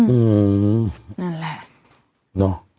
อืมนั่นแหละ